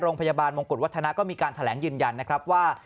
โรงพยาบาลมงกุฎวัฒนาก็มีการแถลงยืนยันนะครับว่า